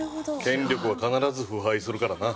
権力は必ず腐敗するからな。